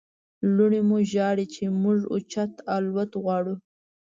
لوڼې مو ژاړي چې موږ اوچت الوت غواړو.